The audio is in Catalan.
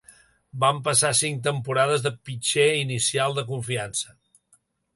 Va passar cinc temporades de pitxer inicial de confiança.